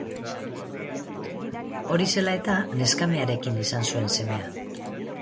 Hori zela eta neskamearekin izan zuen semea.